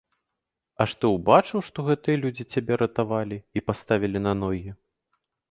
Аж ты ўбачыў, што гэтыя людзі цябе ратавалі і паставілі на ногі?